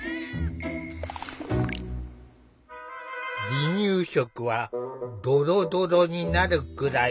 「離乳食はドロドロになるくらい」。